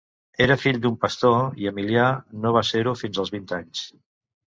Era fill d'un pastor i Emilià va ser-ho fins als vint anys.